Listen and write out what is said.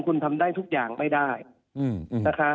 คุณทำได้ทุกอย่างไม่ได้นะคะ